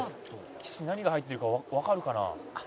「岸何が入ってるかわかるかな？」